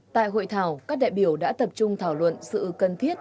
tại hội thảo các đại biểu đã tập trung thảo luận sự cần thiết